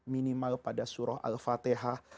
minimal pada surah al fatihah